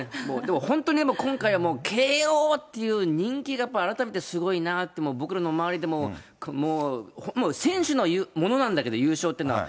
もう本当に、今回はもう慶応っていう人気が、改めてすごいなって、僕らの周りでも、もう、選手のものなんだけど、優勝っていうのは。